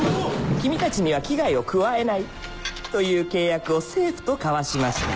君たちには危害を加えないという契約を政府と交わしました